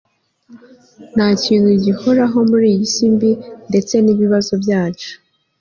nta kintu gihoraho muri iyi si mbi, ndetse n'ibibazo byacu